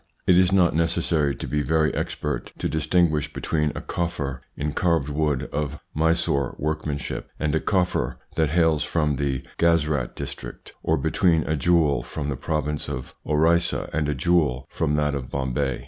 It is not necessary to be very expert to distinguish between a coffer in carved wood of Mysore workmanship and a coffer that hails from the Guzrat district, or between a jewel from the province of Orissa and a jewel from that of Bombay.